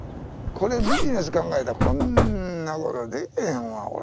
これビジネス考えたらこんなことでけへんわこれ。